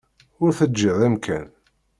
Ur teǧǧiḍ amkan.